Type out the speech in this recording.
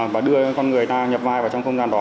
và đưa con người ta nhập vai vào trong không gian đó